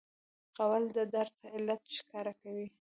غول د درد علت ښکاره کوي.